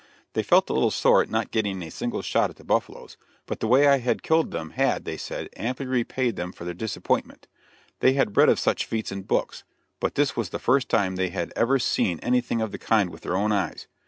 They felt a little sore at not getting a single shot at the buffaloes, but the way I had killed them had, they said, amply repaid them for their disappointment. They had read of such feats in books, but this was the first time they had ever seen anything of the kind with their own eyes.